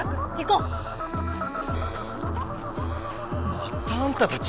またあんたたち！